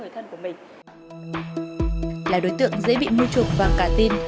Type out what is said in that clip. là đối tượng dễ bị mưu trục và cả tin